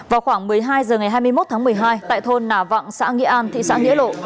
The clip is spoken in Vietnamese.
vào khoảng một mươi hai h ngày hai mươi một tháng một mươi hai tại thôn nà vặng xã nghĩa an thị xã nghĩa lộ